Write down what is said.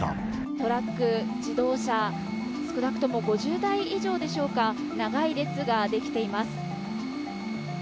トラック、自動車、少なくとも５０台以上でしょうか、長い列が出来ています。